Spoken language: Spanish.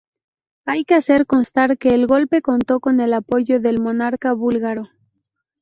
Hay que hacer constar que el golpe contó con el apoyo del monarca búlgaro.